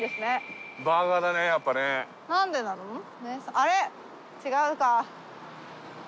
あれ違うか。